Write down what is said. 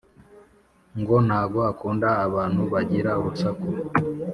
ngo ntago akunda abantu bagira urusaku